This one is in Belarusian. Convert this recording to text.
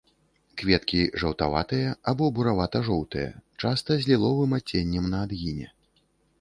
Кветкі жаўтаватыя або буравата-жоўтыя, часта з ліловым адценнем на адгіне.